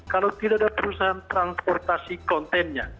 kalau tidak ada perusahaan transportasi kontennya